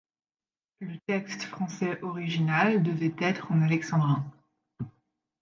Le texte français original devait être en alexandrins.